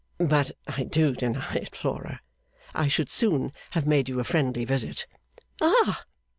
'But I do deny it, Flora. I should soon have made you a friendly visit.' 'Ah!